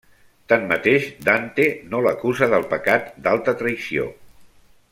Tanmateix, Dante no l'acusa del pecat d'alta traïció.